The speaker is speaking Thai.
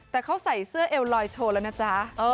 แต่เขาใส่เสื้อเอวลอยโชว์แล้วนะจ๊ะ